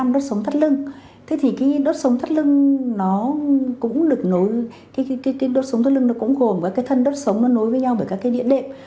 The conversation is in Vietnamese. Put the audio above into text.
đốt sống thắt lưng cũng gồm các thân đốt sống nối với nhau bởi các điện đệm